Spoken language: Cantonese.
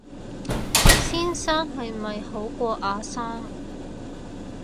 先生係咪好過阿生